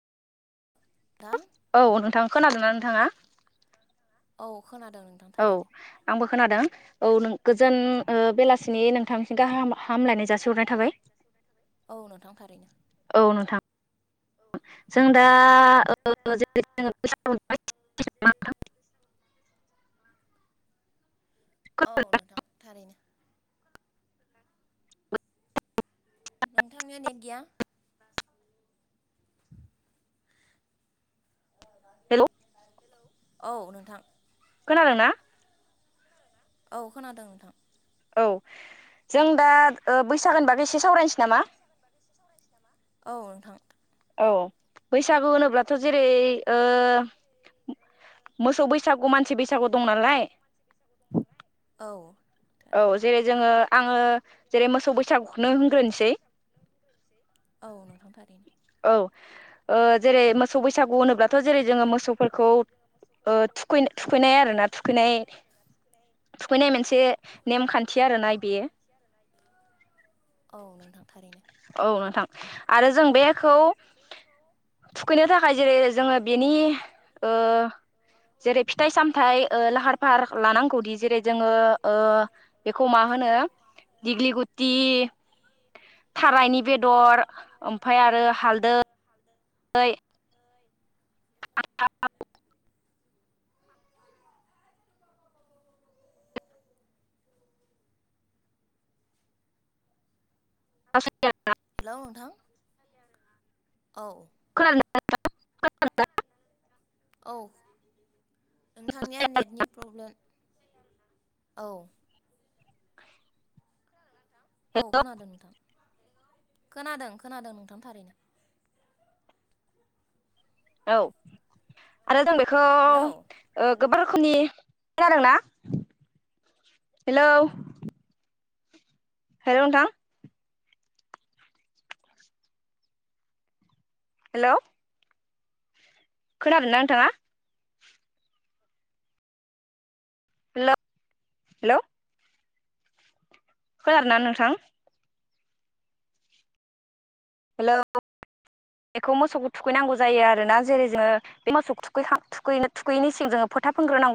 नोंथां औ नोंथां खोनादोंना नोंथाङा औ खोनादों नोंथां औ थारैनो आंबो खोनादों औ नों गोजोन ओ बेलासिनि नोंथां गाहाम हामलायनाय जासिहरनाय थाबाय औ नोंथां थारैनो औ नोंथां जों दा [unintelligible] [inaudible] औ नोंथां थारैनो [unintelligible] नोंथांनिया नेट गैया हेलौ औ नोंथां खोनादोंना औ खोनादों नोंथां औ जों दा ओ बैसागोनि बागै एसे सावरायनोसै नामा औ नोंथां औ बैसागु होनोब्लाथ' जेरै ओ मोसौ बैसागु मानसि बैसागु दं नालाय औ थारैनो औ जेरै जोङो आङो जेरै मोसौ बैसागुखौनो होनग्रोनोसै औ नोंथां थारैनो औ जेरै मोसौ बैसागु होनोब्लाथ' जेरै जोङो मोसौफोरखौ ओ थुखै थुखैनाय आरो ना थुखैनाय - थुखैनाय मोनसे नेमखान्थि आरोना बेयो औ नोंथां थारैनो आरो जों बे खौ थुखैनो थाखाय जेरै जोङो बेनि जेरै फिथाइ - सामथायाइ लाहार - फाहार लानांगौदि जेरै जोङो ओ बेखौ मा होनो दिगलि गुथि थारायनि बेदर ओमफ्राय आरो हालदै दै [unintelligible] हेल' नोंथां औ हेलौ औ नोंथांनिया नेटनि प्रब्लेम औ [unintelligible] औ खोनादों नोंथां खोनादों - खोनादों नोंथां थारैनो औ आरो जों बेखौ हेलौ गोबां रोखोमनि जादों ना हेलौ हेल' नोंथां हेल' खोनादोंदा नोंथां हेल' हेल' खोनादोंना नोंथां हेल' बेखौ मोसौखौ थुखैनांगौ जायो आरोना जेरै जोङो बे मोसौखौ थुनो थुखैयैनि सिम जोङो [unintelligible]